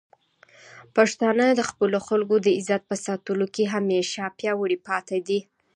پښتانه د خپلو خلکو د عزت په ساتلو کې همیشه پیاوړي پاتې دي.